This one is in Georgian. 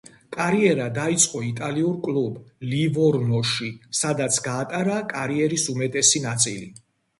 კარიერა დაიწყო იტალიურ კლუბ „ლივორნოში“, სადაც გაატარა კარიერის უმეტესი ნაწილი.